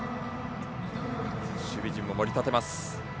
守備陣も盛り立てます。